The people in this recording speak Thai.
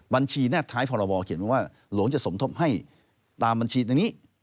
บัญชีแน็ตท้ายพบเขียนว่าหลวงจะสมทบให้ตามบัญชีในนี้